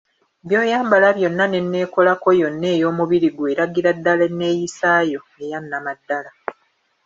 By’oyambala byonna n‘enneekolako yonna ey‘omubiri gwo eragira ddala enneeyisaayo eya nnamaddala.